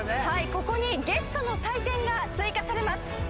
ここにゲストの採点が追加されます。